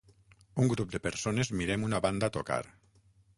Un grup de persones mirem una banda tocar.